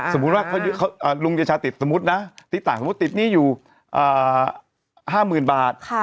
สมมุติว่าลุงเดชาติดสมมุตินะติดหนี้อยู่๕หมื่นบาท